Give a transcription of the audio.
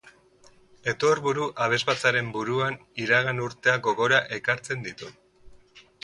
Etorburu abesbatzaren buruan iragan urteak gogora ekartzen ditu.